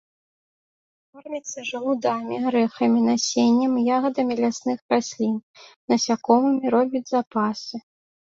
Корміцца жалудамі, арэхамі, насеннем і ягадамі лясных раслін, насякомымі, робіць запасы.